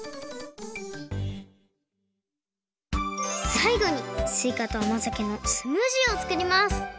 さいごにすいかとあまざけのスムージーをつくります